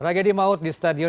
sejak abis itu